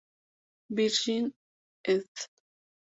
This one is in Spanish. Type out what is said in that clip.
Virgin., ed.